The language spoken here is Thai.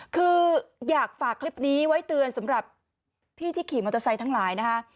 คืออยากฝากคลิปนี้ไว้เตือนสำหรับพี่ที่ขี่มอเตอร์ไซค์ทั้งหลายนะคะ